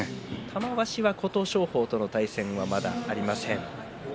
琴勝峰との対戦玉鷲まだありません。